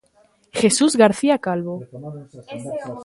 Jesús García Calvo